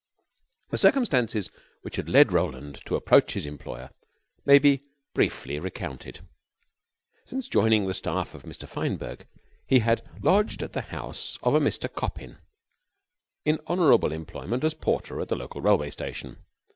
The circumstances which had led Roland to approach his employer may be briefly recounted. Since joining the staff of Mr. Fineberg, he had lodged at the house of a Mr. Coppin, in honorable employment as porter at the local railway station.